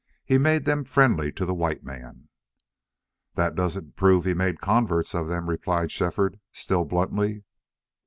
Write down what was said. He made them friendly to the white man." "That doesn't prove he made converts of them," replied Shefford, still bluntly.